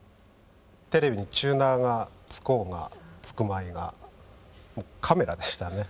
テレビにチューナーが付こうが付くまいがカメラでしたね。